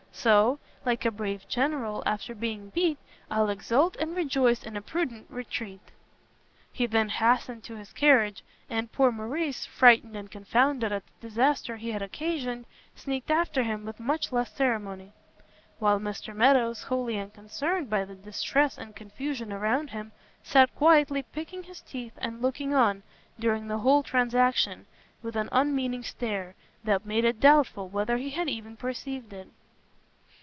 So "Like a brave general after being beat, I'll exult and rejoice in a prudent retreat." [Footnote: Smart] He then hastened to his carriage: and poor Morrice, frightened and confounded at the disaster he had occasioned, sneaked after him with much less ceremony. While Mr Meadows, wholly unconcerned by the distress and confusion around him, sat quietly picking his teeth, and looking on, during the whole transaction, with an unmeaning stare, that made it doubtful whether he had even perceived it.